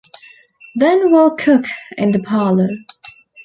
Then we'll cook in the parlor.